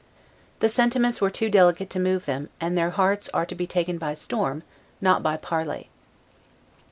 The sentiments were too delicate to move them; and their hearts are to be taken by storm, not by parley.